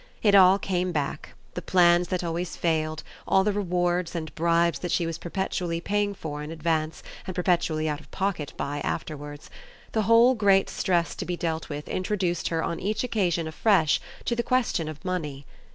It all came back the plans that always failed, all the rewards and bribes that she was perpetually paying for in advance and perpetually out of pocket by afterwards the whole great stress to be dealt with introduced her on each occasion afresh to the question of money.